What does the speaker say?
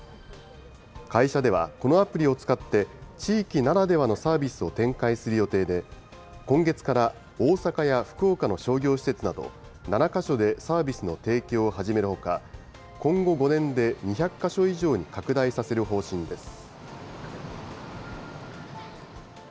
会社ではこのアプリを使って、地域ならではのサービスを展開する予定で、今月から大阪や福岡の商業施設など、７か所でサービスの提供を始めるほか、今後５年で２００か所以上に拡大させる方針です。